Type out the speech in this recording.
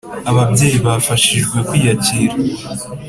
Ababyeyi bafashijwe kwiyakira